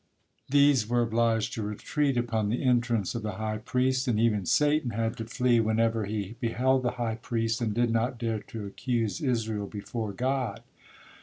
These were obliged to retreat upon the entrance of the high priest, and even Satan had to flee whenever he beheld the high priest, and did not dare to accuse Israel before God.